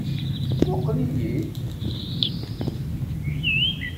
Muqel-iyi-d.